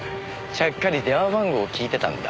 ちゃっかり電話番号聞いてたんだ。